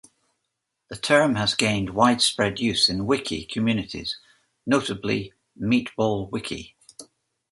The term has gained widespread use in wiki communities, notably MeatballWiki.